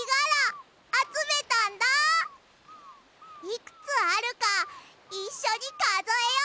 いくつあるかいっしょにかぞえよ！